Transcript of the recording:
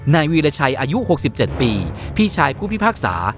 วีรชัยอายุ๖๗ปีพี่ชายผู้พิพากษา